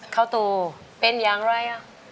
เค้าตูเป็นอย่างไรครับ